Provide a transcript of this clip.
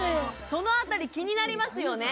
そのあたり気になりますよね